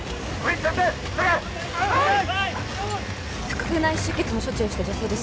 腹腔内出血の処置をした女性です